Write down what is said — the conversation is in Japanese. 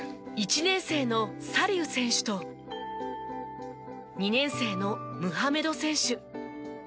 １年生のサリウ選手と２年生のムハメド選手。